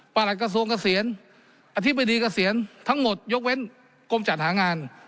หลักกระทรวงเกษียณอธิบดีเกษียณทั้งหมดยกเว้นกรมจัดหางาน